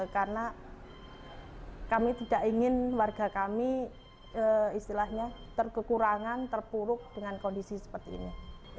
karena kami tidak ingin warga kami terkekurangan terpuruk dengan kondisi seperti ini